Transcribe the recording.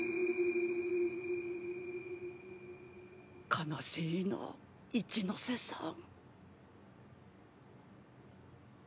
悲しいな一ノ瀬さん。